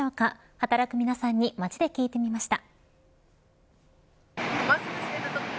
働く皆さんに街で聞いてみました。